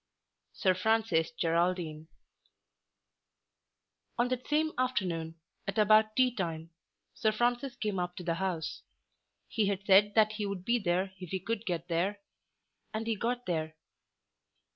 SIR FRANCIS GERALDINE. On that same afternoon, at about tea time, Sir Francis came up to the house. He had said that he would be there if he could get there, and he got there.